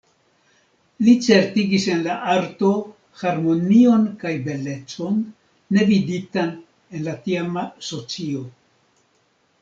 Li certigis en la arto harmonion kaj belecon, ne viditan en la tiama socio.